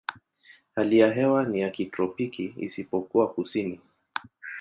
Hali ya hewa ni ya kitropiki isipokuwa kusini.